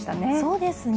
そうですね。